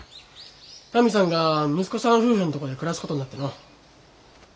タミさんが息子さん夫婦のとこで暮らすことになってのう。